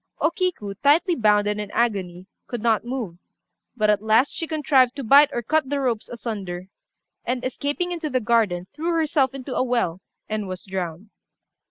O Kiku, tightly bound and in agony, could not move; but at last she contrived to bite or cut the ropes asunder, and, escaping into the garden, threw herself into a well, and was drowned.